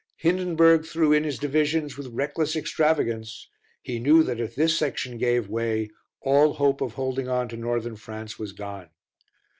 Hindenburg threw in his divisions with reckless extravagance; he knew that if this section gave way all hope of holding on to Northern France was gone.